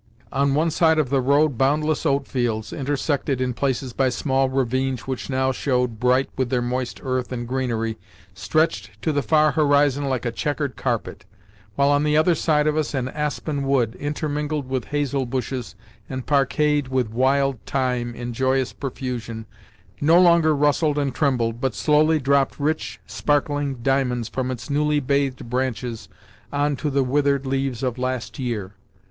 On one side of the road boundless oatfields, intersected in places by small ravines which now showed bright with their moist earth and greenery, stretched to the far horizon like a checkered carpet, while on the other side of us an aspen wood, intermingled with hazel bushes, and parquetted with wild thyme in joyous profusion, no longer rustled and trembled, but slowly dropped rich, sparkling diamonds from its newly bathed branches on to the withered leaves of last year.